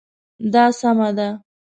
دا سمه ده